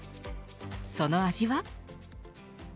その味は。